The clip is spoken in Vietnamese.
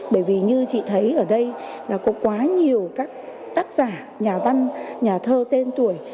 bởi vì như chị thấy ở đây là có quá nhiều các tác giả nhà văn nhà thơ tên tuổi